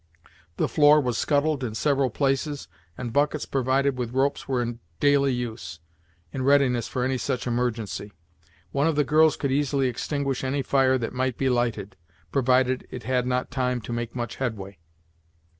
The floor was scuttled in several places, and buckets provided with ropes were in daily use, in readiness for any such emergency. One of the girls could easily extinguish any fire that might be lighted, provided it had not time to make much headway.